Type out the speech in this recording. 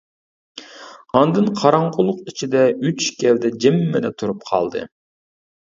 ئاندىن. قاراڭغۇلۇق ئىچىدە ئۈچ گەۋدە جىممىدە تۇرۇپ قالدى.